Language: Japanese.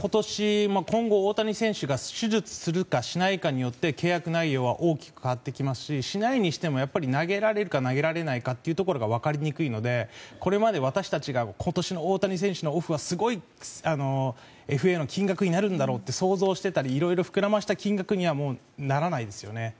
今後、大谷選手が手術するかしないかによって契約内容は大きく変わってきますししないにしても投げられるか投げられないかが分かりにくいのでこれまで私たちが今年の大谷選手のオフはすごいＦＡの金額になるんだろうと想像してたりいろいろ膨らませた金額にはならないですよね。